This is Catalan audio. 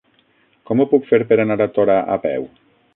Com ho puc fer per anar a Torà a peu?